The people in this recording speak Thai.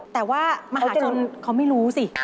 แต่ว่ามหาชนเขาไม่รู้สิ